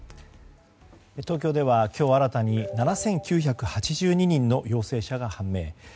東京では今日新たに７９８２人の陽性者が判明。